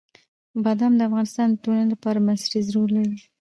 بادام د افغانستان د ټولنې لپاره بنسټيز رول لري.